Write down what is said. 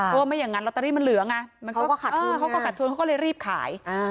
เพราะไม่อย่างงั้นล็อตเตอรี่มันเหลืองเขาก็ขัดทุนก็เลยรีบขาย